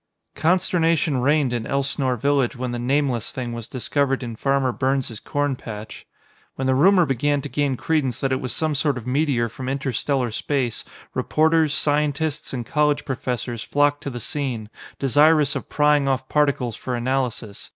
] Consternation reigned in Elsnore village when the Nameless Thing was discovered in Farmer Burns' corn patch. When the rumor began to gain credence that it was some sort of meteor from inter stellar space, reporters, scientists and college professors flocked to the scene, desirous of prying off particles for analysis.